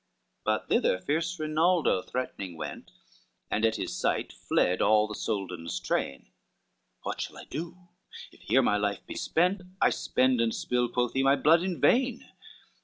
XCIX But thither fierce Rinaldo threatening went, And at his sight fled all the Soldan's train, "What shall I do? If here my life be spent, I spend and spill," quoth he, "my blood in vain!"